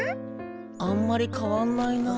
あんまり変わんないなぁ。